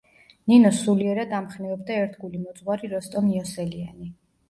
ნინოს სულიერად ამხნევებდა ერთგული მოძღვარი როსტომ იოსელიანი.